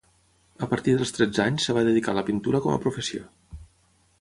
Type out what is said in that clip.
A partir dels tretze anys es va dedicar a la pintura com a professió.